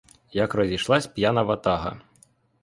Як розійшлась п'яна ватага.